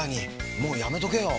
もうやめとけよ。